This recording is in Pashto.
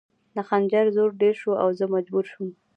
د خنجر زور ډېر شو او زه مجبوره شوم